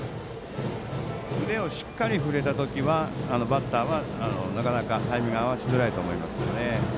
腕をしっかり振れた時はバッターはなかなかタイミングが合わせづらいと思います。